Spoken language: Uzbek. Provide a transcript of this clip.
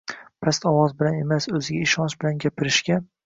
past ovoz bilan emas, o‘ziga ishonch bilan gapirishga;